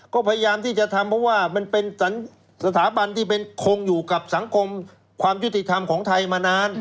ก็พยายามที่จะทำเพราะว่ามันเป็นสถาบันที่เป็นคงอยู่กับสังคมความยุติธรรมของไทยมานาน